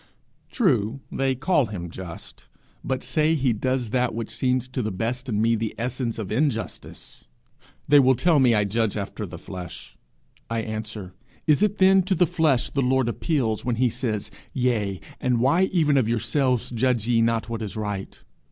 True, they call him just, but say he does that which seems to the best in me the essence of injustice. They will tell me I judge after the flesh: I answer, Is it then to the flesh the Lord appeals when he says, 'Yea, and why even of yourselves judge ye not what is right?'